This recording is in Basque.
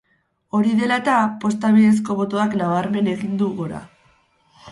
Hori dela eta, posta bidezko botoak nabarmen egin du gora.